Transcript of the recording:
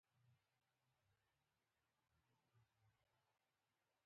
د امریکې په میشیګن ایالت کې هوا د وړاندوینې وړ نه ده.